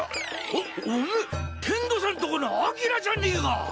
おおめぇ天道さんとこのアキラじゃねぇが。